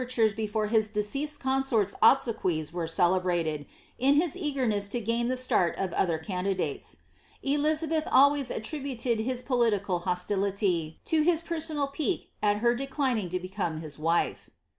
13S Us oveitores before his deceased consortia obflequies were celebrated, in ks eagerness to gain the start of other candidates. Elizabeth always mributed his political hostility to his personal pique at her declining to become his wife.'